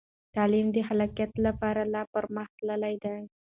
تعلیم د خلاقیت لپاره لا پرمخ تللی دی.